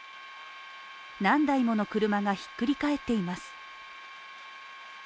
何台もの車がひっくり返っています。